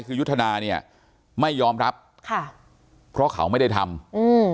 คือยุทธนาเนี่ยไม่ยอมรับค่ะเพราะเขาไม่ได้ทำอืม